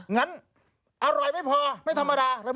งั้นอร่อยไม่พอไม่ธรรมดา